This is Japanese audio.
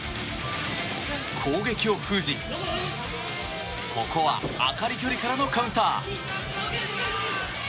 攻撃を封じ、ここは朱理距離からのカウンター。